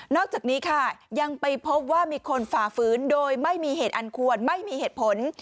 อกจากนี้ค่ะยังไปพบว่ามีคนฝ่าฝืนโดยไม่มีเหตุอันควรไม่มีเหตุผล